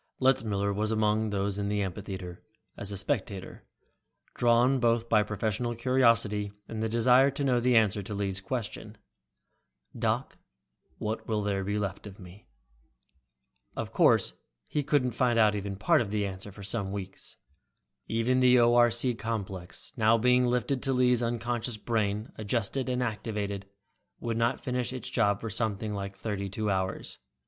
Letzmiller was among those in the amphitheater, as a spectator, drawn both by professional curiosity and a desire to know the answer to Lee's question, "Doc, what will there be left of me?" Of course he couldn't find out even part of the answer for some weeks. Even the ORC complex, now being fitted to Lee's unconscious brain, adjusted and activated, would not finish with its job for something like thirty two hours.